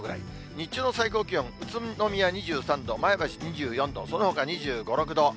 日中の最高気温、宇都宮２３度、前橋２４度、そのほか２５、６度。